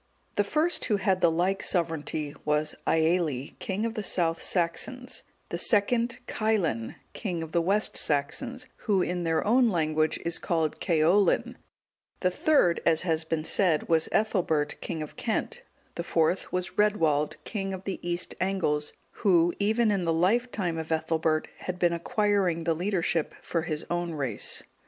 The first who had the like sovereignty was Aelli, king of the South Saxons; the second, Caelin, king of the West Saxons, who, in their own language, is called Ceaulin; the third, as has been said, was Ethelbert, king of Kent; the fourth was Redwald, king of the East Angles, who, even in the life time of Ethelbert, had been acquiring the leadership for his own race.